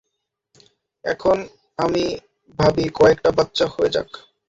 এখন আমি ভাবি কয়েকটা বাচ্চা হয়ে যাক।